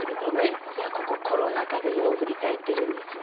いやここコロナ禍でよう振り返ってるんですよ。